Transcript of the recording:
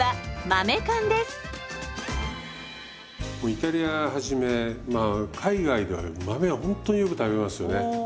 イタリアはじめまあ海外では豆はほんとによく食べますよね。